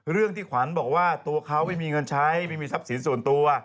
เรื่องที่ขวัญบอกว่าตัวเขาไม่มีเงินใช้ไม่มีทรัพย์สินส่วนตัว